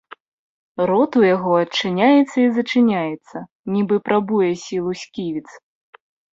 Рот у яго адчыняецца і зачыняецца, нібы прабуе сілу сківіц.